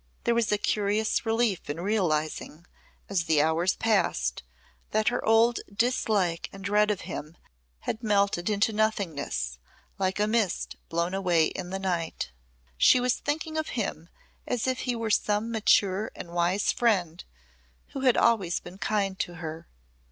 There was a curious relief in realising, as the hours passed, that her old dislike and dread of him had melted into nothingness like a mist blown away in the night. She was thinking of him as if he were some mature and wise friend who had always been kind to her.